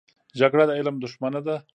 جګړه د علم دښمنه ده